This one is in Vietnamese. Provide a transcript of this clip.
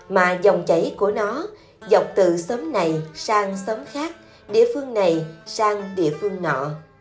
mà dòng chảy của nó dọc từ xóm này sang xóm khác địa phương này sang địa phương nọ